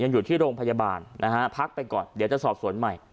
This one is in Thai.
อยู่ที่โรงพยาบาลนะฮะพักไปก่อนเดี๋ยวจะสอบสวนใหม่